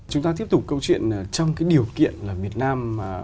chúng ta tiếp tục câu chuyện trong cái điều kiện là việt nam